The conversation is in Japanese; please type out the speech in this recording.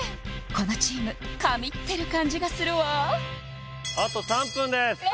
このチーム神ってる感じがするわあと３分です